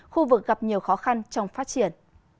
khu vực gặp nhiều khó khăn trong phát triển